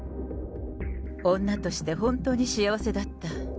女として本当に幸せだった。